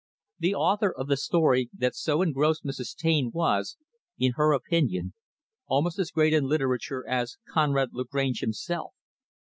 The author of the story that so engrossed Mrs. Taine was in her opinion almost as great in literature as Conrad Lagrange, himself.